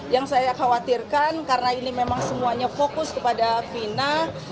yang saya khawatirkan karena ini memang semuanya fokus kepada fina